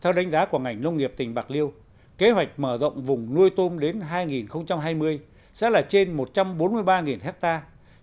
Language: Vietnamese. theo đánh giá của ngành nông nghiệp tỉnh bạc liêu kế hoạch mở rộng vùng nuôi tôm đến hai nghìn hai mươi sẽ là trên một trăm bốn mươi ba hectare